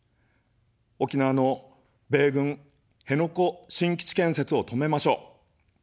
沖縄の米軍辺野古新基地建設を止めましょう。